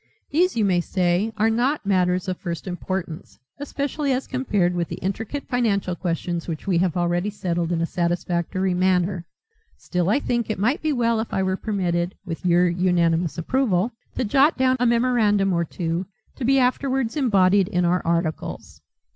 These, you may say, are not matters of first importance, especially as compared with the intricate financial questions which we have already settled in a satisfactory manner. Still I think it might be well if I were permitted with your unanimous approval to jot down a memorandum or two to be afterwards embodied in our articles."